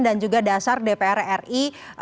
dan juga dasar dpr ri